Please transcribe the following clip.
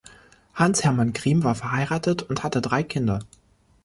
Hans Hermann Griem war verheiratet und hatte drei Kinder.